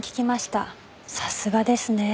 さすがですねえ。